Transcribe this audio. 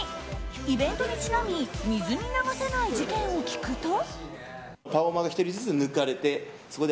イベントにちなみ水に流せない事件を聞くと。